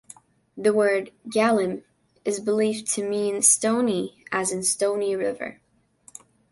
The word "Gaillimh" is believed to mean "stony" as in "stony river".